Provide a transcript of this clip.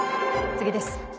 次です。